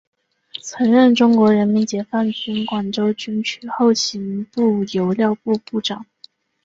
曾任中国人民解放军广州军区后勤部油料部部长。